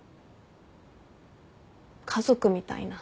家族みたいな。